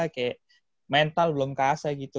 kayak mental belum kase gitu